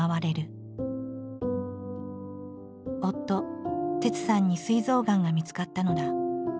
夫哲さんにすい臓がんが見つかったのだ。